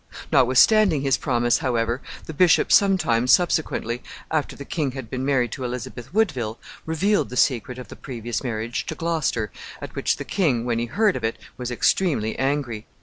Notwithstanding his promise, however, the bishop some time subsequently, after the king had been married to Elizabeth Woodville, revealed the secret of the previous marriage to Gloucester, at which the king, when he heard of it, was extremely angry.